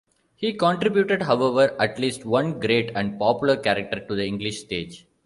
He contributed, however, at least one great and popular character to the English stage.